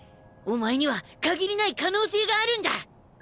お前には限りない可能性があるんだ。